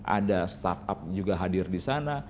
ada startup juga hadir di sana